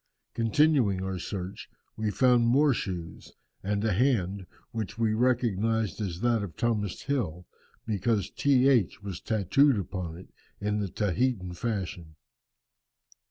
Continuing our search, we found more shoes, and a hand, which we recognized as that of Thomas Hill, because T. H. was tatooed upon it in the Tahitan fashion.